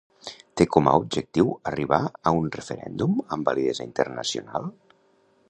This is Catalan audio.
Té com a objectiu arribar a un referèndum amb validesa internacional?